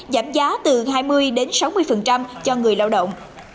giảm giá từ hai mươi đến sáu mươi cho người lao động